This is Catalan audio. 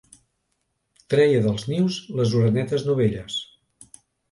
Treia dels nius les orenetes novelles.